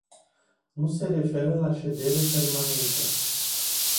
Nu se referă la ședere permanentă.